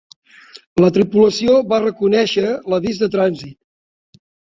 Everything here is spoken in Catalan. La tripulació va reconèixer l'avís de trànsit.